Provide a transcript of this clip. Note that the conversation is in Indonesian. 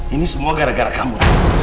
ini semua gara gara kamu